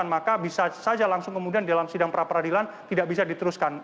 maka bisa saja langsung kemudian dalam sidang pra peradilan tidak bisa diteruskan